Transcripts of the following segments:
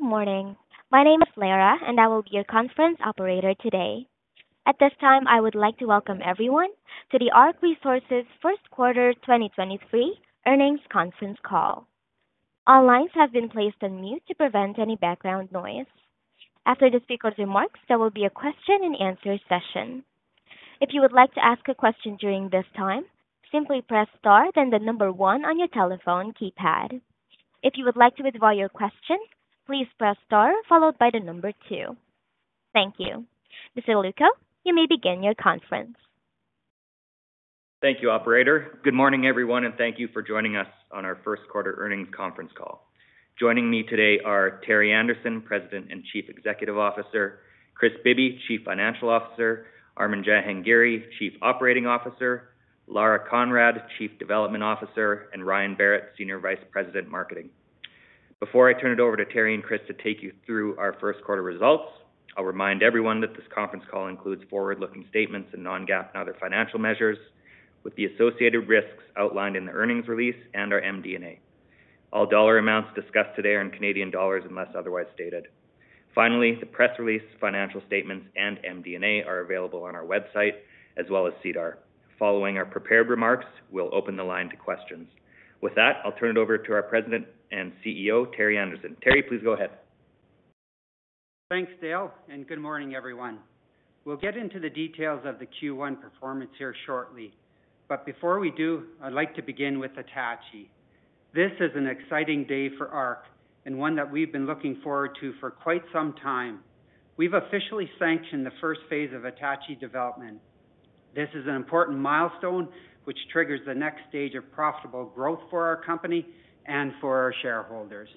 Good morning. My name is Lara, I will be your conference operator today. At this time, I would like to welcome everyone to the ARC Resources first quarter 2023 earnings conference call. All lines have been placed on mute to prevent any background noise. After the speaker's remarks, there will be a question and answer session. If you would like to ask a question during this time, simply press star then the number one on your telephone keypad. If you would like to withdraw your question, please press star followed by the number two. Thank you. Mr. Lewko, you may begin your conference. Thank you, operator. Good morning, everyone. Thank you for joining us on our first quarter earnings conference call. Joining me today are Terry Anderson, President and Chief Executive Officer, Kris Bibby, Chief Financial Officer, Armin Jahangiri, Chief Operating Officer, Lara Conrad, Chief Development Officer, and Ryan Barrett, Senior Vice President, Marketing. Before I turn it over to Terry and Kris to take you through our first quarter results, I'll remind everyone that this conference call includes forward-looking statements and non-GAAP and other financial measures with the associated risks outlined in the earnings release and our MD&A. All dollar amounts discussed today are in Canadian dollars unless otherwise stated. Finally, the press release, financial statements, and MD&A are available on our website as well as SEDAR. Following our prepared remarks, we'll open the line to questions. With that, I'll turn it over to our President and CEO, Terry Anderson. Terry, please go ahead. Thanks, Dale. Good morning, everyone. We'll get into the details of the Q1 performance here shortly. Before we do, I'd like to begin with Attachie. This is an exciting day for ARC and one that we've been looking forward to for quite some time. We've officially sanctioned the first phase of Attachie development. This is an important milestone which triggers the next stage of profitable growth for our company and for our shareholders.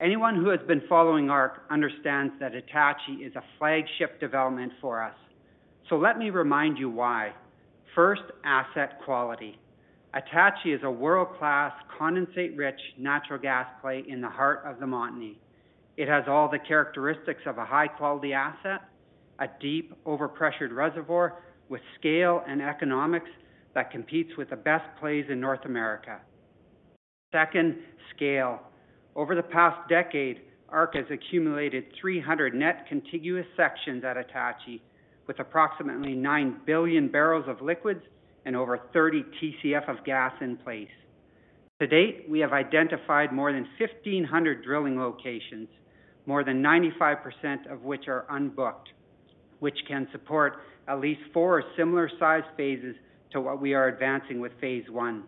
Anyone who has been following ARC understands that Attachie is a flagship development for us. Let me remind you why. First, asset quality. Attachie is a world-class condensate-rich natural gas play in the heart of the Montney. It has all the characteristics of a high-quality asset, a deep overpressured reservoir with scale and economics that competes with the best plays in North America. Second, scale. Over the past decade, ARC has accumulated 300 net contiguous sections at Attachie with approximately 9 billion barrels of liquids and over 30 TCF of gas in place. To date, we have identified more than 1,500 drilling locations, more than 95% of which are unbooked, which can support at least four similar size phases to what we are advancing with phase one.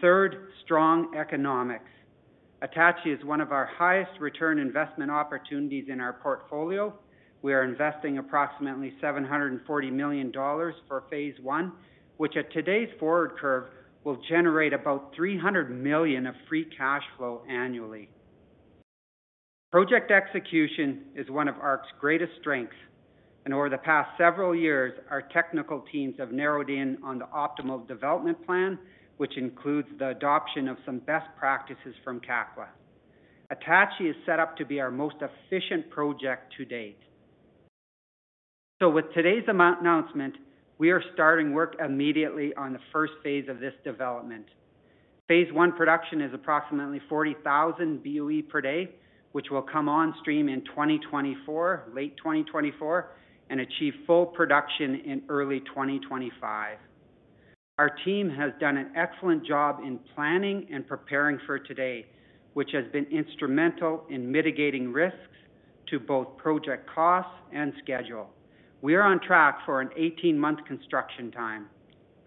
Third, strong economics. Attachie is one of our highest return investment opportunities in our portfolio. We are investing approximately 740 million dollars for phase one, which at today's forward curve will generate about 300 million of free cash flow annually. Project execution is one of ARC's greatest strengths. Over the past several years, our technical teams have narrowed in on the optimal development plan, which includes the adoption of some best practices from Kakwa. Attachie is set up to be our most efficient project to date. With today's announcement, we are starting work immediately on the first phase of this development. Phase One production is approximately 40,000 BOE per day, which will come on stream in 2024, late 2024, and achieve full production in early 2025. Our team has done an excellent job in planning and preparing for today, which has been instrumental in mitigating risks to both project costs and schedule. We are on track for an 18-month construction time.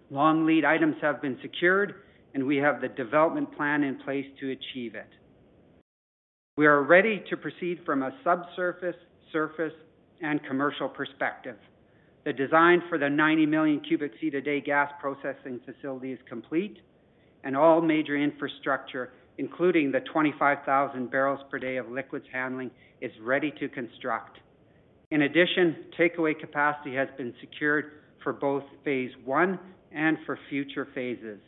Long lead items have been secured. We have the development plan in place to achieve it. We are ready to proceed from a subsurface, surface, and commercial perspective. The design for the 90 million cubic feet a day gas processing facility is complete, and all major infrastructure, including the 25,000 bbl per day of liquids handling, is ready to construct. In addition, takeaway capacity has been secured for both phase one and for future phases.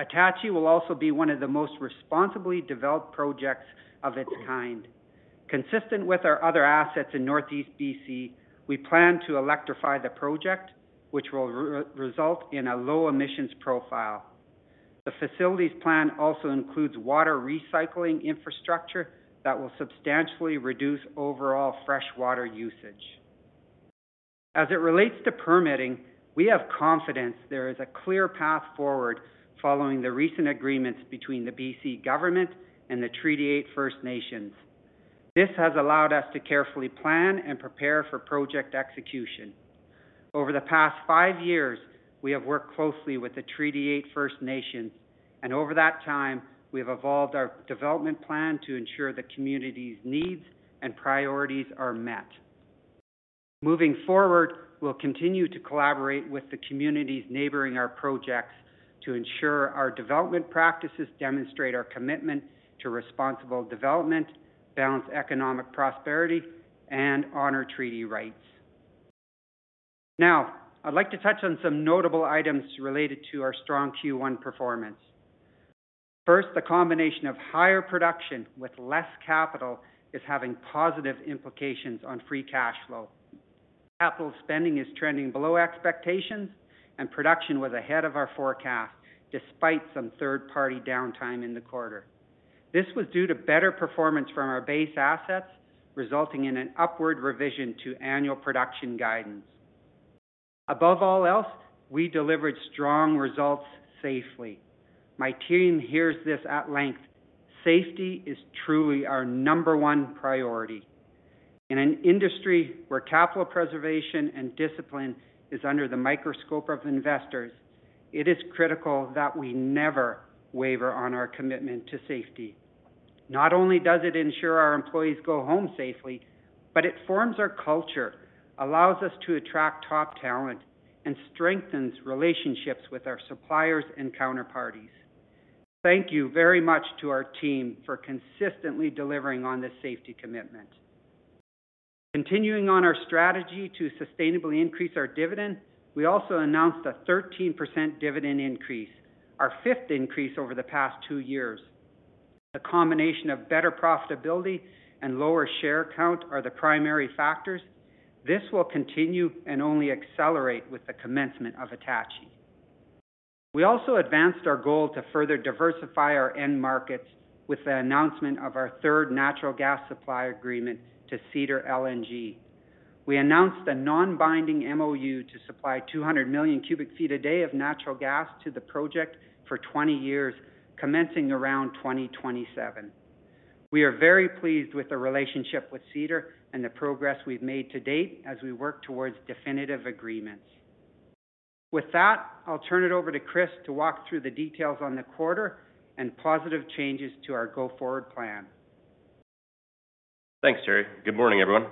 Attachie will also be one of the most responsibly developed projects of its kind. Consistent with our other assets in Northeast BC, we plan to electrify the project, which will re-result in a low emissions profile. The facilities plan also includes water recycling infrastructure that will substantially reduce overall freshwater usage. As it relates to permitting, we have confidence there is a clear path forward following the recent agreements between the BC government and the Treaty 8 First Nations. This has allowed us to carefully plan and prepare for project execution. Over the past five years, we have worked closely with the Treaty 8 First Nations, and over that time, we have evolved our development plan to ensure the community's needs and priorities are met. Moving forward, we'll continue to collaborate with the communities neighboring our projects to ensure our development practices demonstrate our commitment to responsible development, balanced economic prosperity, and honor treaty rights. Now, I'd like to touch on some notable items related to our strong Q1 performance. First, the combination of higher production with less capital is having positive implications on free cash flow. Capital spending is trending below expectations and production was ahead of our forecast despite some third-party downtime in the quarter. This was due to better performance from our base assets, resulting in an upward revision to annual production guidance. Above all else, we delivered strong results safely. My team hears this at length. Safety is truly our number one priority. In an industry where capital preservation and discipline is under the microscope of investors, it is critical that we never waver on our commitment to safety. Not only does it ensure our employees go home safely, it forms our culture, allows us to attract top talent, and strengthens relationships with our suppliers and counterparties. Thank you very much to our team for consistently delivering on this safety commitment. Continuing on our strategy to sustainably increase our dividend, we also announced a 13% dividend increase, our fifth increase over the past two years. The combination of better profitability and lower share count are the primary factors. This will continue and only accelerate with the commencement of Attachie. We also advanced our goal to further diversify our end markets with the announcement of our third natural gas supply agreement to Cedar LNG. We announced a non-binding MoU to supply 200 million cubic feet a day of natural gas to the project for 20 years, commencing around 2027. We are very pleased with the relationship with Cedar and the progress we've made to date as we work towards definitive agreements. With that, I'll turn it over to Kris to walk through the details on the quarter and positive changes to our go-forward plan. Thanks, Terry. Good morning, everyone.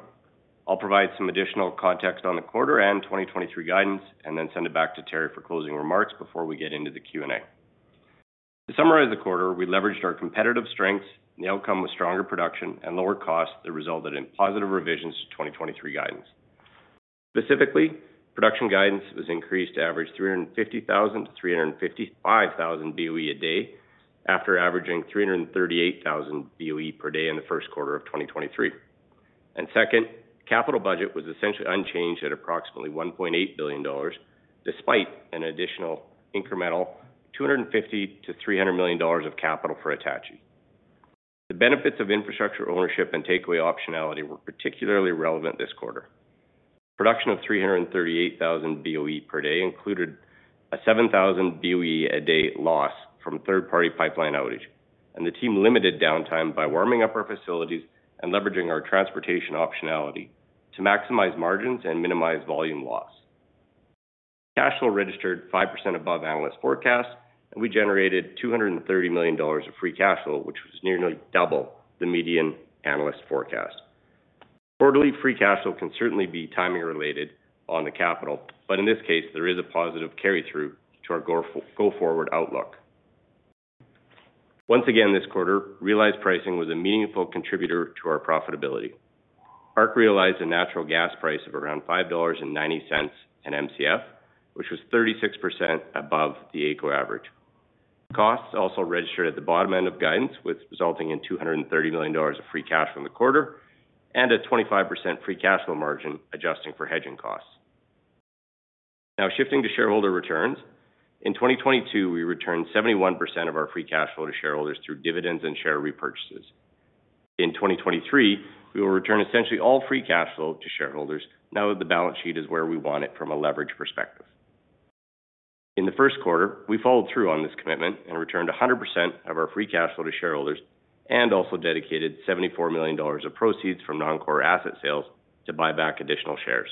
I'll provide some additional context on the quarter, 2023 guidance, then send it back to Terry for closing remarks before we get into the Q&A. To summarize the quarter, we leveraged our competitive strengths and the outcome was stronger production and lower costs that resulted in positive revisions to 2023 guidance. Specifically, production guidance was increased to average 350,000-355,000 BOE a day after averaging 338,000 boe per day in the first quarter of 2023. Second, capital budget was essentially unchanged at approximately 1.8 billion dollars, despite an additional incremental 250 million-300 million dollars of capital for Attachie. The benefits of infrastructure ownership and takeaway optionality were particularly relevant this quarter. Production of 338,000 BOE per day included a 7,000 BOE a day loss from third-party pipeline outage, and the team limited downtime by warming up our facilities and leveraging our transportation optionality to maximize margins and minimize volume loss. Cash flow registered 5% above analyst forecast, and we generated 230 million dollars of free cash flow, which was nearly double the median analyst forecast. Quarterly free cash flow can certainly be timing related on the capital, but in this case, there is a positive carry-through to our go forward outlook. Once again, this quarter, realized pricing was a meaningful contributor to our profitability. ARC realized a natural gas price of around 5.90 dollars an Mcf, which was 36% above the AECO average. Costs also registered at the bottom end of guidance, with resulting in 230 million dollars of free cash from the quarter and a 25% free cash flow margin adjusting for hedging costs. Now shifting to shareholder returns. In 2022, we returned 71% of our free cash flow to shareholders through dividends and share repurchases. In 2023, we will return essentially all free cash flow to shareholders now that the balance sheet is where we want it from a leverage perspective. In the first quarter, we followed through on this commitment and returned 100% of our free cash flow to shareholders and also dedicated 74 million dollars of proceeds from non-core asset sales to buy back additional shares.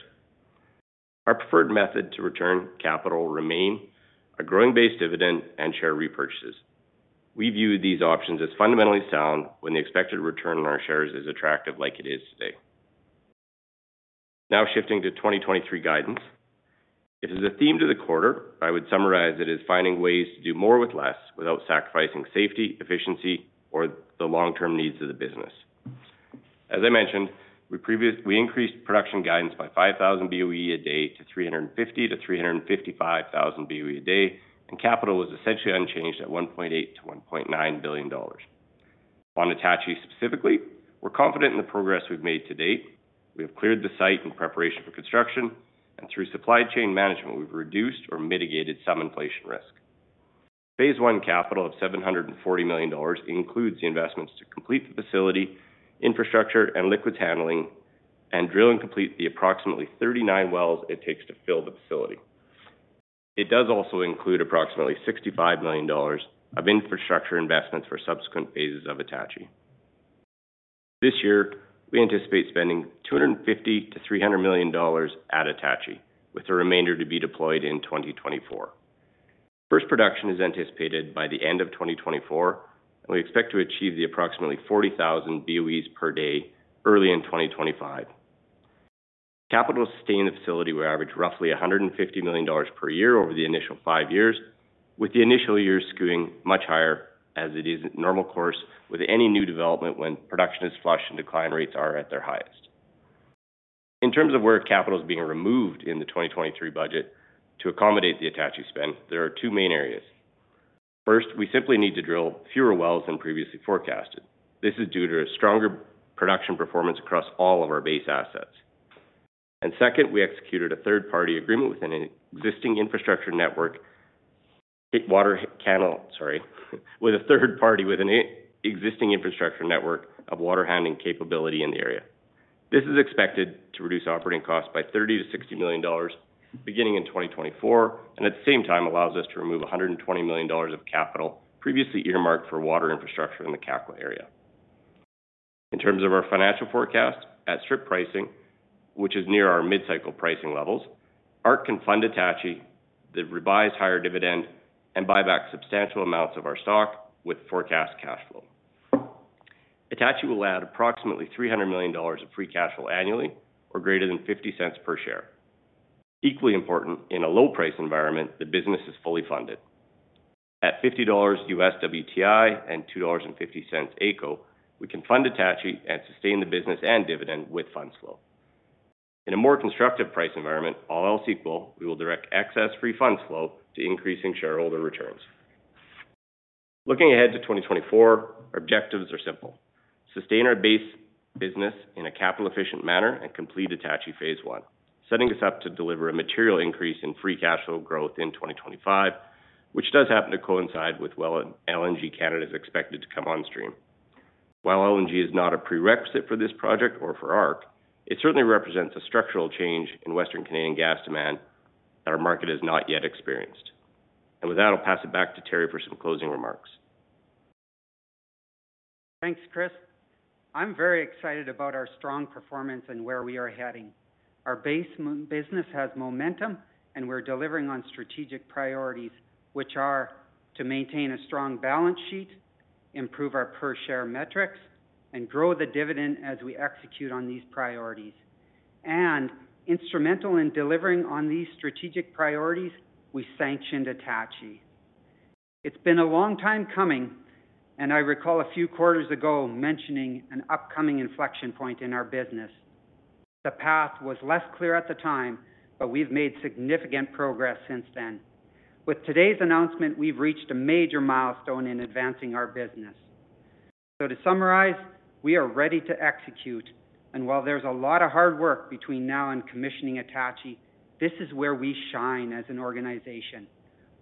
Our preferred method to return capital remain a growing base dividend and share repurchases. We view these options as fundamentally sound when the expected return on our shares is attractive like it is today. Shifting to 2023 guidance. It is a theme to the quarter, I would summarize it as finding ways to do more with less without sacrificing safety, efficiency, or the long-term needs of the business. As I mentioned, we increased production guidance by 5,000 BOE a day to 350,000-355,000 BOE a day, capital was essentially unchanged at 1.8 billion-1.9 billion dollars. Attachie specifically, we're confident in the progress we've made to date. We have cleared the site in preparation for construction, through supply chain management, we've reduced or mitigated some inflation risk. Phase 1 capital of 740 million dollars includes the investments to complete the facility, infrastructure, and liquids handling, and drill and complete the approximately 39 wells it takes to fill the facility. It does also include approximately 65 million dollars of infrastructure investments for subsequent phases of Attachie. This year, we anticipate spending 250 million-300 million dollars at Attachie, with the remainder to be deployed in 2024. First production is anticipated by the end of 2024, and we expect to achieve the approximately 40,000 BOEs per day early in 2025. Capital to sustain the facility will average roughly 150 million dollars per year over the initial 5 years, with the initial years skewing much higher as it is normal course with any new development when production is flush and decline rates are at their highest. In terms of where capital is being removed in the 2023 budget to accommodate the Attachie spend, there are two main areas. First, we simply need to drill fewer wells than previously forecasted. This is due to a stronger production performance across all of our base assets. Second, we executed a third-party agreement with a third party with an existing infrastructure network of water handling capability in the area. This is expected to reduce operating costs by 30 million-60 million dollars beginning in 2024, and at the same time allows us to remove 120 million dollars of capital previously earmarked for water infrastructure in the Kakwa area. In terms of our financial forecast at strip pricing, which is near our mid-cycle pricing levels, ARC can fund Attachie, the revised higher dividend, and buy back substantial amounts of our stock with forecast cash flow. Attachie will add approximately 300 million dollars of free cash flow annually or greater than 0.50 per share. Equally important, in a low price environment, the business is fully funded. At $50 US WTI and $2.50 AECO, we can fund Attachie and sustain the business and dividend with fund flow. In a more constructive price environment, all else equal, we will direct excess free fund flow to increasing shareholder returns. Looking ahead to 2024, our objectives are simple: sustain our base business in a capital-efficient manner and complete Attachie phase one, setting us up to deliver a material increase in free cash flow growth in 2025, which does happen to coincide with LNG Canada is expected to come on stream. While LNG is not a prerequisite for this project or for ARC, it certainly represents a structural change in Western Canadian gas demand that our market has not yet experienced. With that, I'll pass it back to Terry for some closing remarks. Thanks, Kris. I'm very excited about our strong performance and where we are heading. Our base business has momentum, and we're delivering on strategic priorities, which are to maintain a strong balance sheet, improve our per-share metrics, and grow the dividend as we execute on these priorities. Instrumental in delivering on these strategic priorities, we sanctioned Attachie. It's been a long time coming, and I recall a few quarters ago mentioning an upcoming inflection point in our business. The path was less clear at the time, but we've made significant progress since then. With today's announcement, we've reached a major milestone in advancing our business. To summarize, we are ready to execute. While there's a lot of hard work between now and commissioning Attachie, this is where we shine as an organization.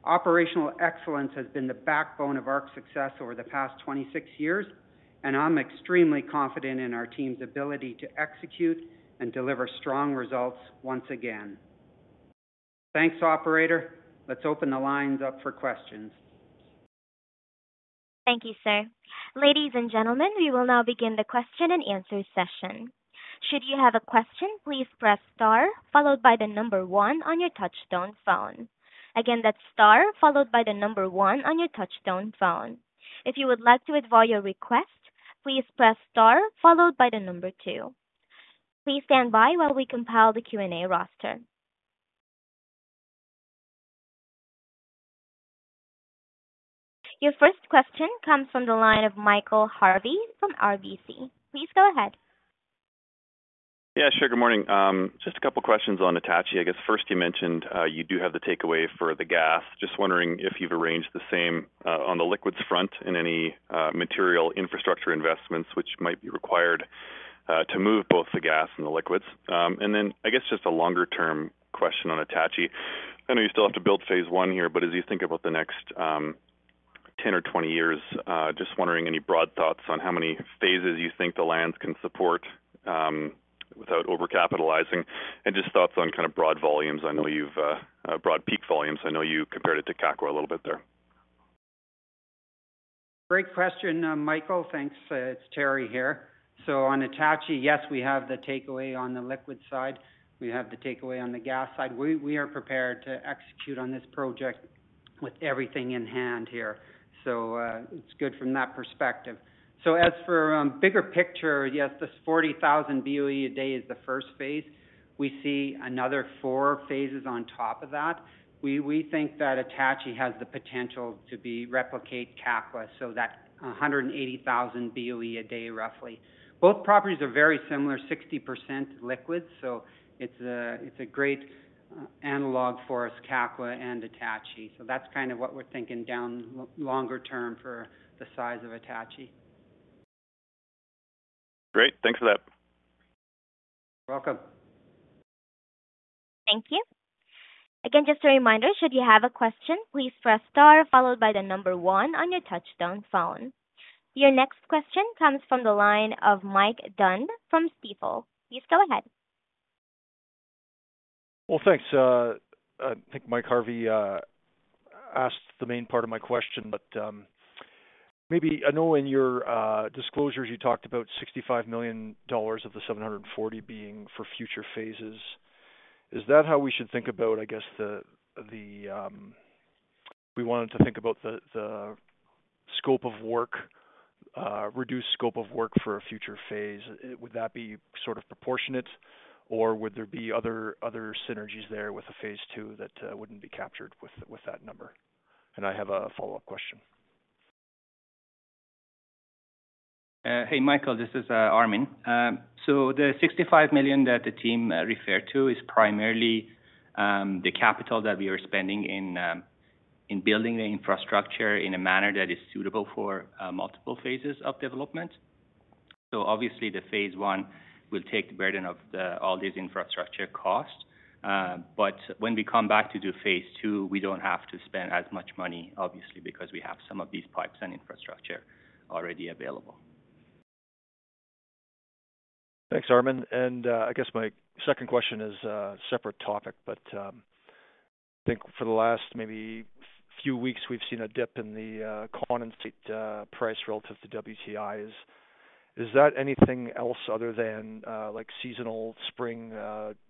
Operational excellence has been the backbone of ARC's success over the past 26 years. I'm extremely confident in our team's ability to execute and deliver strong results once again. Thanks, operator. Let's open the lines up for questions. Thank you, sir. Ladies and gentlemen, we will now begin the question and answer session. Should you have a question, please press star followed by the number one on your touch tone phone. Again, that's star followed by the number one on your touch tone phone. If you would like to withdraw your request, please press star followed by the number two. Please stand by while we compile the Q&A roster. Your first question comes from the line of Michael Harvey from RBC. Please go ahead. Yeah, sure. Good morning. Just a couple questions on Attachie. I guess first you mentioned, you do have the takeaway for the gas. Just wondering if you've arranged the same on the liquids front in any material infrastructure investments which might be required to move both the gas and the liquids? I guess just a longer-term question on Attachie. I know you still have to build phase one here, but as you think about the next 10 or 20 years, just wondering any broad thoughts on how many phases you think the lands can support without overcapitalizing? Just thoughts on kind of broad volumes. I know you've, broad peak volumes. I know you compared it to Kakwa a little bit there. Great question, Michael. Thanks. It's Terry here. On Attachie, yes, we have the takeaway on the liquid side. We have the takeaway on the gas side. We are prepared to execute on this project with everything in hand here. It's good from that perspective. As for bigger picture, yes, this 40,000 boe a day is the first phase. We see another four phases on top of that. We think that Attachie has the potential to be replicate Kakwa, so that 180,000 BOE a day roughly. Both properties are very similar, 60% liquid, so it's a great analog for us, Kakwa and Attachie. That's kind of what we're thinking down longer term for the size of Attachie. Great. Thanks for that. You're welcome. Thank you. Just a reminder, should you have a question, please press star followed by the number one on your touch tone phone. Your next question comes from the line of Mike Dunn from Stifel. Please go ahead. Well, thanks. I think Mike Harvey asked the main part of my question, but maybe I know in your disclosures, you talked about $65 million of the $740 million being for future phases. Is that how we should think about, I guess the reduced scope of work for a future phase? Would that be sort of proportionate, or would there be other synergies there with a phase 2 that wouldn't be captured with that number? I have a follow-up question. Hey, Michael Harvey, this is Armen Jahangiri. The 65 million that the team referred to is primarily the capital that we are spending in building the infrastructure in a manner that is suitable for multiple phases of development. Obviously, phase one will take the burden of all these infrastructure costs. When we come back to do phase two, we don't have to spend as much money, obviously, because we have some of these pipes and infrastructure already available. Thanks, Armen. I guess my second question is separate topic, but I think for the last maybe few weeks, we've seen a dip in the condensate price relative to WTI. Is that anything else other than like seasonal spring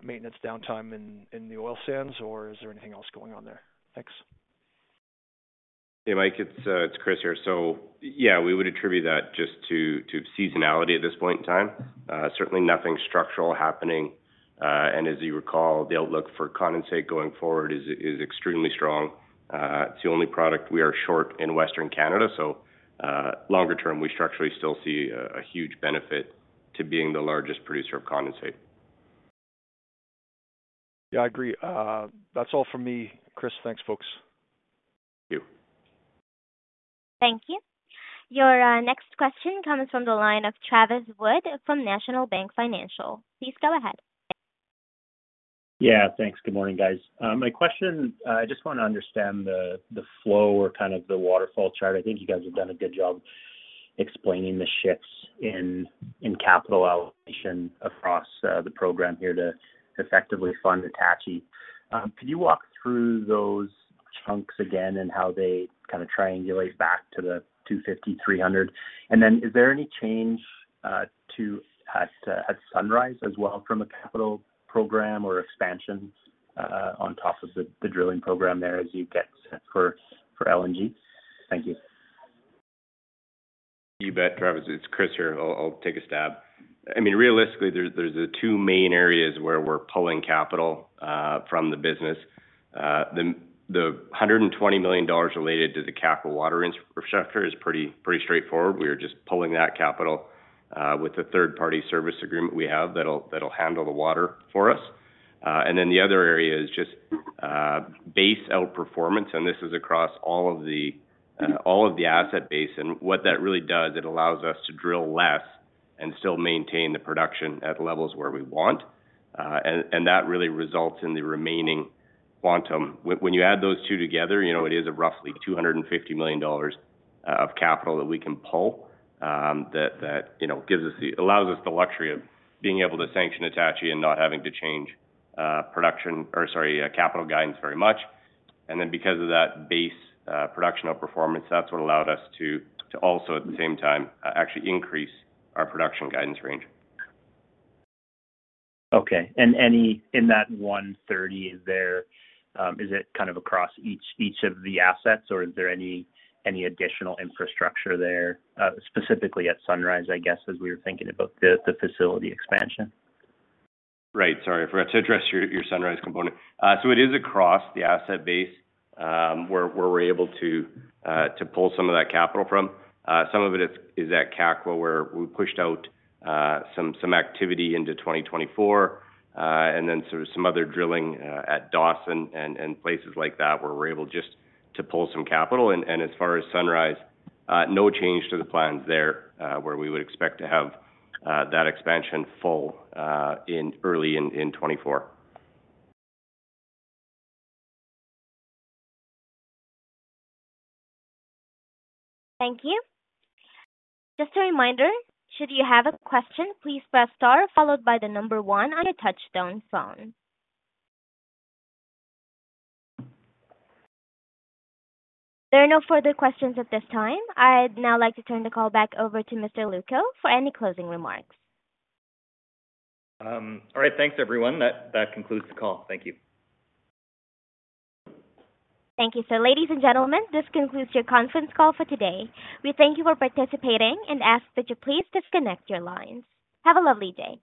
maintenance downtime in the oil sands, or is there anything else going on there? Thanks. Hey, Mike, it's Kris here. Yeah, we would attribute that just to seasonality at this point in time. Certainly nothing structural happening. As you recall, the outlook for condensate going forward is extremely strong. It's the only product we are short in Western Canada. Longer term, we structurally still see a huge benefit to being the largest producer of condensate. Yeah, I agree. That's all from me, Kris. Thanks, folks. Thank you. Thank you. Your next question comes from the line of Travis Wood from National Bank Financial. Please go ahead. Yeah, thanks. Good morning, guys. My question, I just wanna understand the flow or kind of the waterfall chart. I think you guys have done a good job explaining the shifts in capital allocation across the program here to effectively fund Attachie. Could you walk through those chunks again and how they kind of triangulate back to the 250 million-300 million? Then is there any change to Sunrise as well from a capital program or expansions on top of the drilling program there as you get set for LNG? Thank you. You bet, Travis. It's Kris here. I'll take a stab. I mean, realistically, there's the two main areas where we're pulling capital from the business. The 120 million dollars related to the capital water infrastructure is pretty straightforward. We are just pulling that capital with the third-party service agreement we have that'll handle the water for us. Then the other area is just base outperformance, and this is across all of the asset base. What that really does, it allows us to drill less and still maintain the production at levels where we want. That really results in the remaining quantum. When you add those two together, you know, it is a roughly 250 million dollars of capital that we can pull, that, you know, allows us the luxury of being able to sanction Attachie and not having to change production or sorry, capital guidance very much. Because of that base production outperformance, that's what allowed us to also at the same time actually increase our production guidance range. Okay. In that 130, is there, is it kind of across each of the assets, or is there any additional infrastructure there, specifically at Sunrise, I guess, as we were thinking about the facility expansion? Right. Sorry, I forgot to address your Sunrise component. It is across the asset base, where we're able to pull some of that capital from. Some of it is at Kakwa, where we pushed out some activity into 2024. Then sort of some other drilling at Dawson and places like that where we're able just to pull some capital. As far as Sunrise, no change to the plans there, where we would expect to have that expansion full in early in 2024. Thank you. Just a reminder, should you have a question, please press star followed by the number one on your touchtone phone. There are no further questions at this time. I'd now like to turn the call back ove r to Mr. Lewko for any closing remarks. All right. Thanks, everyone. That concludes the call. Thank you. Thank you. Ladies and gentlemen, this concludes your conference call for today. We thank you for participating and ask that you please disconnect your lines. Have a lovely day.